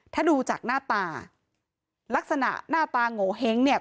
ถ้าดูจากหน้าตาลักษณะหน้าตาโงเห้งเนี่ย